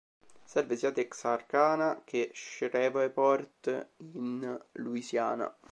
Serve sia Texarkana che Shreveport in Louisiana.